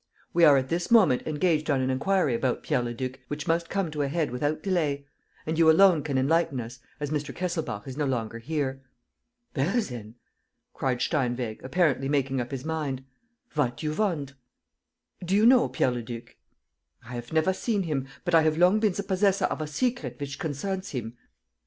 We are at this moment engaged on an inquiry about Pierre Leduc which must come to a head without delay; and you alone can enlighten us, as Mr. Kesselbach is no longer here." "Well, then," cried Steinweg, apparently making up his mind, "what do you want?" "Do you know Pierre Leduc?" "I have never seen him, but I have long been the possessor of a secret which concerns him.